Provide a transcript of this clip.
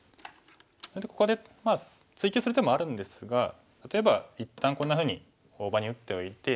それでここで追及する手もあるんですが例えば一旦こんなふうに大場に打っておいて。